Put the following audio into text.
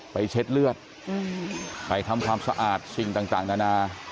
เช็ดเลือดไปทำความสะอาดสิ่งต่างนานา